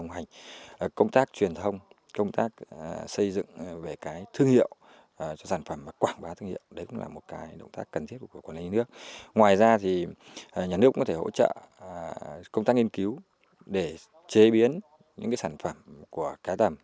nhà nước cũng có thể hỗ trợ công tác nghiên cứu để chế biến những sản phẩm của cá tầm